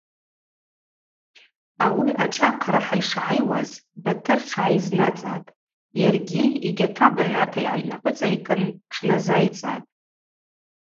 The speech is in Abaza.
Ауи ашӏа ахърыхӏа йшгӏайуаз Батыр тшгӏайзанацӏатӏ, йаргьи йгьата багъьата йгӏайнапӏыцӏайкӏын тшназайцӏатӏ.